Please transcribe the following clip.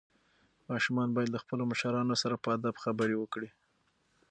ماشومان باید له خپلو مشرانو سره په ادب خبرې وکړي.